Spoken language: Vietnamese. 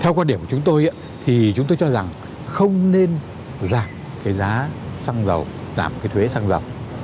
theo quan điểm của chúng tôi thì chúng tôi cho rằng không nên giảm cái giá xăng dầu giảm cái thuế xăng dầu